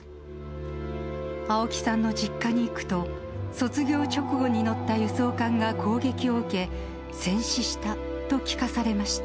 青木さんの実家に行くと、卒業直後に乗った輸送艦が攻撃を受け、戦死したと聞かされました。